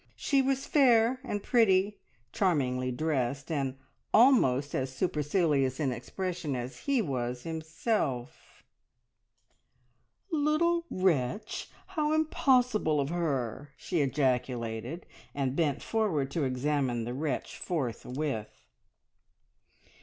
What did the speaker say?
She was fair and pretty, charmingly dressed, and almost as supercilious in expression as he was himself. "Little wretch! How impossible of her!" she ejaculated, and bent forward to examine the wretch forthwith.